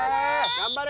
頑張れ！